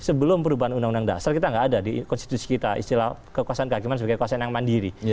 sebelum perubahan undang undang dasar kita nggak ada di konstitusi kita istilah kekuasaan kehakiman sebagai kekuasaan yang mandiri